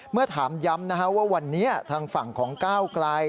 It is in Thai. เมื่อถามย้ำว่าวันนี้ทางฝั่งของก้าวไกล